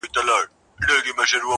یا بیګانه وه لېوني خیالونه،